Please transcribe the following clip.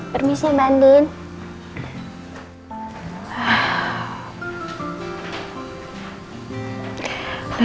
permisi mbak andine